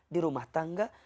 di rumah tangga